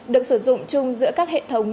được sử dụng chung giữa các hệ thống